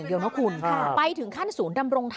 สุดทนแล้วกับเพื่อนบ้านรายนี้ที่อยู่ข้างกัน